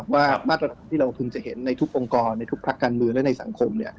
ว่ามาตรที่เราพึงจะเห็นในทุกองค์กรในทุกพักการเมืองและในสังคม